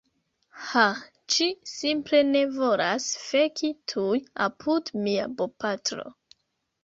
Ha, ĝi simple ne volas feki tuj apud mia bopatro